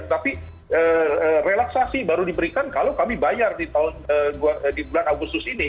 tetapi relaksasi baru diberikan kalau kami bayar di bulan agustus ini